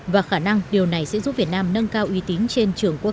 và khả năng điều này sẽ giúp việt nam nâng cao uy tín trên trường quốc